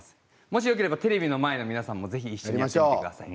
もしよければテレビの前の皆さんもぜひ一緒にやってみてください。